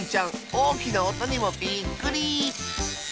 おおきなおとにもびっくり！